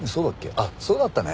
あっそうだったね。